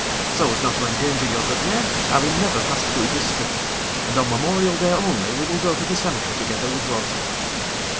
So as not to endanger your good name, I will never pass through this street, and on Memorial Day only we will go to the cemetery together with Rosa."